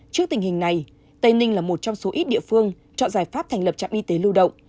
trước tình hình này tây ninh là một trong số ít địa phương chọn giải pháp thành lập trạm y tế lưu động